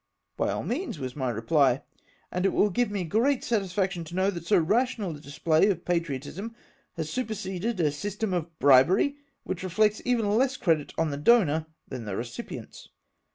•" By all means," was my reply, " and it will give me great satisfaction to know that so rational a display of patriotism has superseded a system of bribery, which reflects even less credit on the donor than the re cipients."